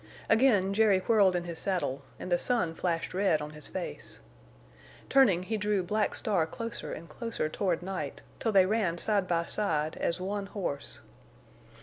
Again Jerry whirled in his saddle and the sun flashed red on his face. Turning, he drew Black Star closer and closer toward Night, till they ran side by side, as one horse.